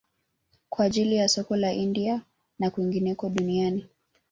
Kwa ajili ya soko la India na kwingineko duniani